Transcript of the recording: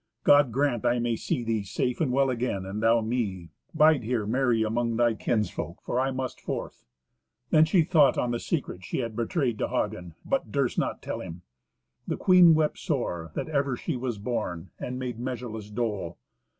"God grant I may see thee safe and well again, and thou me. Bide here merry among thy kinsfolk, for I must forth." Then she thought on the secret she had betrayed to Hagen, but durst not tell him. The queen wept sore that ever she was born, and made measureless dole.